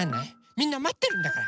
みんなまってるんだから！